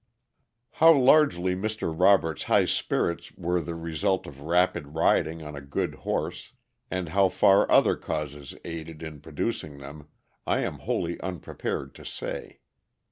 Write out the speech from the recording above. _ How largely Mr. Robert's high spirits were the result of rapid riding on a good horse, and how far other causes aided in producing them, I am wholly unprepared to say.